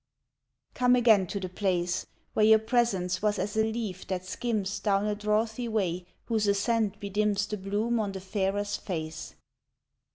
_) COME again to the place Where your presence was as a leaf that skims Down a drouthy way whose ascent bedims The bloom on the farer's face.